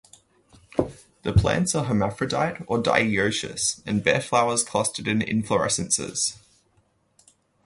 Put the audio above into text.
The plants are hermaphrodite or dioecious and bear flowers clustered in inflorescences.